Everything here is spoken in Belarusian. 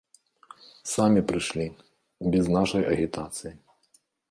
Самі прыйшлі, без нашай агітацыі.